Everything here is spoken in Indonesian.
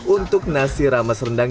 untuk nasi rame serendang